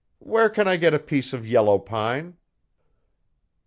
'Where can I get a piece of yellow pine?'